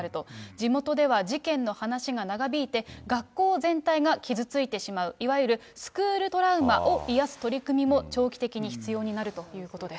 地元では、事件の話が長引いて、学校全体が傷ついてしまう、いわゆるスクールトラウマを癒やす取り組みも長期的に必要になるということです。